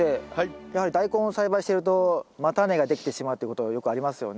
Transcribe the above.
やはりダイコンを栽培してると叉根ができてしまうっていうことがよくありますよね。